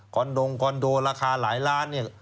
นดงคอนโดราคาหลายล้านเนี่ย